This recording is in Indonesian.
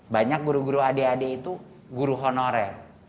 banyak guru guru adik adik itu guru honorer